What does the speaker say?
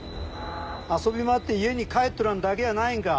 遊び回って家に帰っとらんだけやないんか？